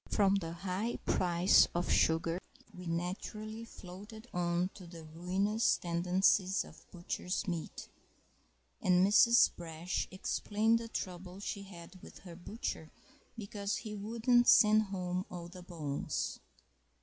From the high price of sugar we naturally floated on to the ruinous tendencies of butcher's meat, and Mrs. Brash explained the trouble she had with her butcher because he wouldn't send home all the bones.